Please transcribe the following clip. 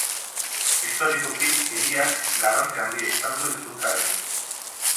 Historikoki, hiriak garrantzi handia izan du hizkuntzarekin.